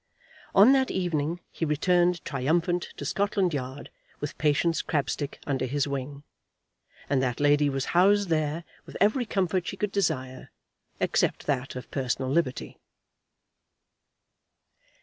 On that evening he returned triumphant to Scotland Yard with Patience Crabstick under his wing; and that lady was housed there with every comfort she could desire, except that of personal liberty.